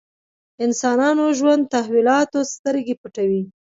انسانانو ژوند تحولاتو سترګې پټوي.